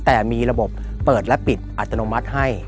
แต่มีระบบเปิดและปิดอัตโนมัติให้